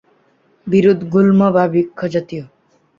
বীরুৎ, গুল্ম বা বৃক্ষ জাতীয়।